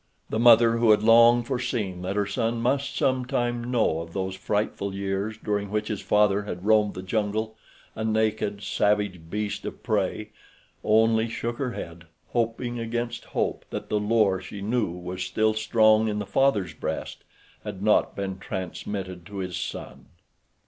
The mother, who had long foreseen that her son must some time know of those frightful years during which his father had roamed the jungle, a naked, savage beast of prey, only shook her head, hoping against hope that the lure she knew was still strong in the father's breast had not been transmitted to his son.